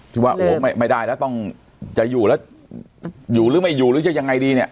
ที่ว่าโอ้โหไม่ได้แล้วต้องจะอยู่แล้วอยู่หรือไม่อยู่หรือจะยังไงดีเนี่ย